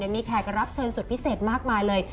มีแขกรับเชิญสุดพิเศษมากมายเลย